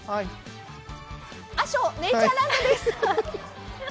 あしょネイチャーランドです。